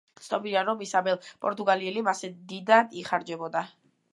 ცნობილია, რომ ისაბელ პორტუგალიელი მასზე დიდად იხარჯებოდა.